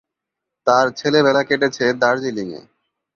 তার ছেলেবেলা কেটেছে দার্জিলিং-এ।